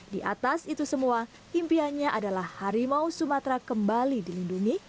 di atas itu semua impiannya adalah harimau sumatera kembali dilindungi